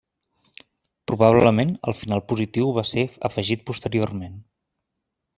Probablement, el final positiu va ser afegit posteriorment.